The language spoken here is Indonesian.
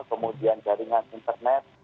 kemudian jaringan internet